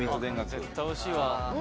絶対美味しいわ。